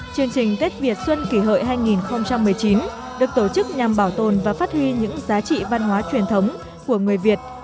chương trình tết việt xuân kỷ hợi hai nghìn một mươi chín được tổ chức nhằm bảo tồn và phát huy những giá trị văn hóa truyền thống của người việt